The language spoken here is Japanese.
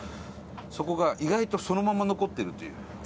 そこが、意外とそのまま残ってるという。